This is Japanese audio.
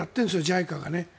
ＪＩＣＡがね。